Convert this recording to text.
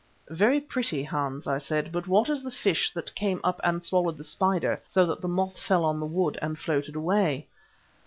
"Very pretty, Hans," I said, "but what is the fish that came up and swallowed the spider so that the moth fell on the wood and floated away?"